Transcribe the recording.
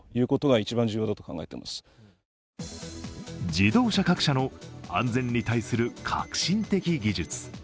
自動車各社の安全に対する革新的技術。